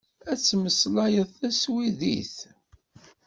Ad temmeslayeḍ taswidit.